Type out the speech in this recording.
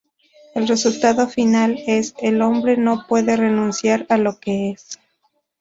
El resultado final es: El hombre no puede renunciar a lo que es.